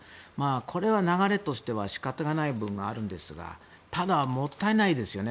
これは流れとしては仕方がない部分があるんですがただ、もったいないですよね。